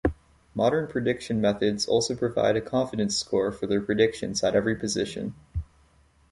Modern prediction methods also provide a confidence score for their predictions at every position.